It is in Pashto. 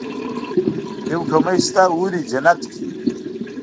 يو کمی شته حورې جنت کې وي.